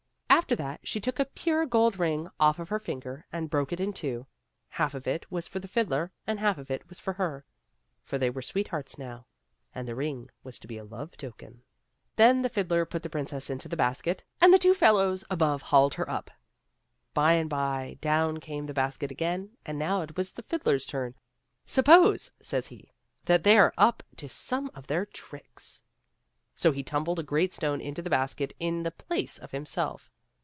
After that she took a pure gold ring off of her finger and broke it in two ; half of it was for the fiddler and half of it was for her ; for they were sweethearts now, and the ring was to be a love token. Then the fiddler put the princess into the basket, and the two fellows above hauled her up. By and by down came the basket again, and now it was the fiddler's turn. " Suppose," says he, " that they are up to some of their tricks !" So he tumbled a great stone into the basket in the place of himself.